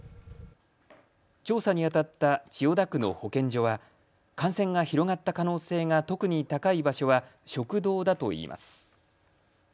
調査にあたった千代田区の保健所は感染が広がった可能性が特に高い場所は食堂だといいます。